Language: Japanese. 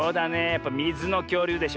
やっぱみずのきょうりゅうでしょ。